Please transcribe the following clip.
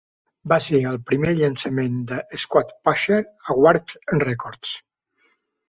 Va ser el primer llançament de Squarepusher a Warp Records.